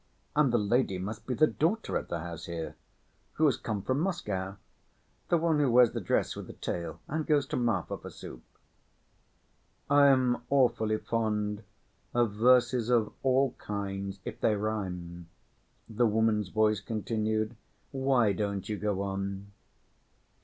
And the lady must be the daughter of the house here, who has come from Moscow, the one who wears the dress with a tail and goes to Marfa for soup." "I am awfully fond of verses of all kinds, if they rhyme," the woman's voice continued. "Why don't you go on?"